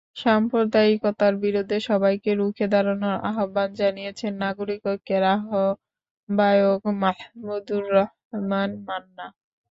সাম্প্রদায়িকতার বিরুদ্ধে সবাইকে রুখে দাঁড়ানোর আহ্বান জানিয়েছেন নাগরিক ঐক্যের আহ্বায়ক মাহমুদুর রহমান মান্না।